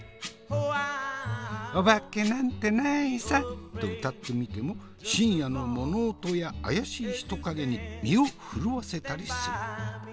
「オバケなんてないさ」と歌ってみても深夜の物音や怪しい人影に身を震わせたりする。